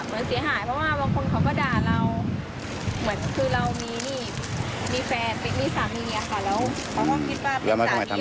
ผมจะเสียหายว่าบางคนเขาก็ด่าเรา